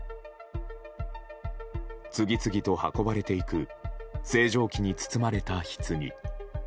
次々と運ばれていく星条旗に包まれたひつぎ。